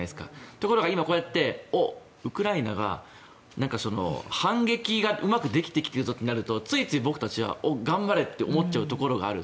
ところが今こうやってウクライナ軍が反撃がうまくできているとなるとついつい僕たちは頑張れって思っちゃうところがある。